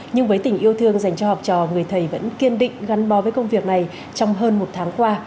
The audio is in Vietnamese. nhưng với tình yêu thương dành cho học trò người thầy vẫn kiên định gắn bó với công việc này trong hơn một tháng qua